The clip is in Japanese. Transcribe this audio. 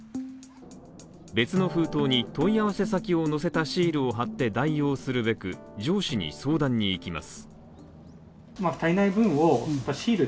別の封筒に問い合わせ先を載せたシールを貼って代用するべく、上司に相談に行きます。